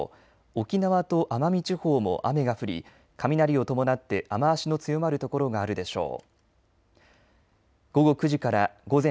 沖縄と奄美地方も雨が降り雷を伴って雨足の強まる所があるでしょう。